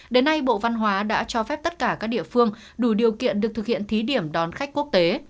đến nay bộ văn hóa đã cho phép tất cả các địa phương đủ điều kiện được thực hiện thí điểm đón khách quốc tế